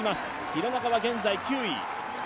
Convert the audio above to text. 廣中は現在９位。